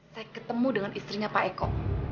saya ketemu dengan istrinya pak eko